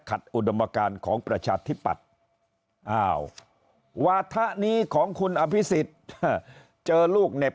ขัดอุดมการของประชาธิบัติวาธะนี้ของคุณอภิษฐ์เจอลูกเน็บ